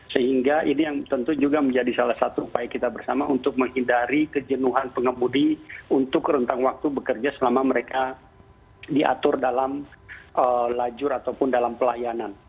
sehingga ini yang tentu juga menjadi salah satu upaya kita bersama untuk menghindari kejenuhan pengemudi untuk rentang waktu bekerja selama mereka diatur dalam lajur ataupun dalam pelayanan